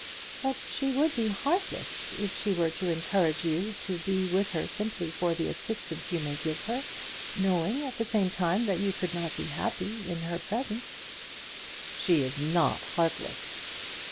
"But she would be heartless if she were to encourage you to be with her simply for the assistance you may give her, knowing at the same time that you could not be happy in her presence." "She is not heartless."